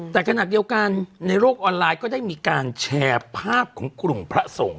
แต่ขณะเดียวกันในโลกออนไลน์ก็ได้มีการแชร์ภาพของกลุ่มพระสงฆ์